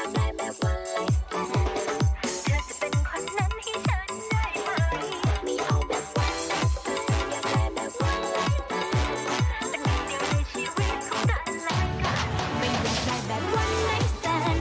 ไม่เอาแบบว่าไลฟ์แฟน